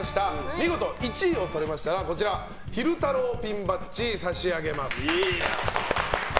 見事１位をとれましたら昼太郎ピンバッジを差し上げます。